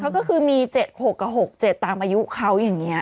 ก็คือมี๗๖กับ๖๗ตามอายุเขาอย่างนี้